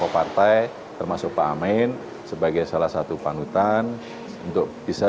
panutan untuk bisa